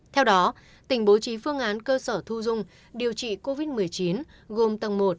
theo đó tỉnh bố trí phương án cơ sở thu dung điều trị covid một mươi chín gồm tầng một